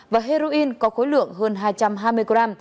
và heroin có khối lượng hơn hai trăm hai mươi g